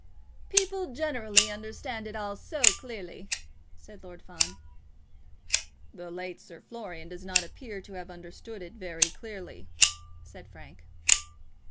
"People generally understand it all so clearly," said Lord Fawn. "The late Sir Florian does not appear to have understood it very clearly," said Frank.